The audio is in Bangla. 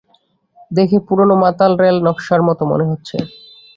দেখে পুরানো পাতাল রেল নকশার মতো মনে হচ্ছে।